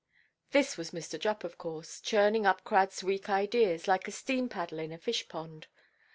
This was Mr. Jupp, of course, churning up Cradʼs weak ideas, like a steam–paddle in a fishpond.